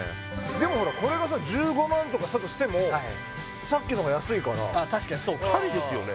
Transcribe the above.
でもこれがさ１５万とかしたとしてもさっきの方が安いから確かにそうかチャリですよね？